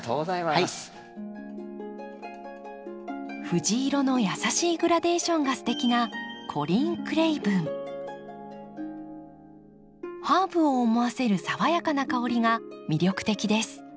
藤色の優しいグラデーションがすてきなハーブを思わせる爽やかな香りが魅力的です。